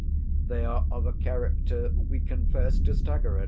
They are of a character, we confess, to stagger it.